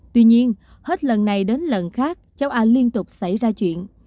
tuy nhiên hết lần này đến lần khác cháu a liên tục xảy ra chuyện